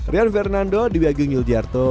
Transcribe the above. rian fernando di bagian yuljiarto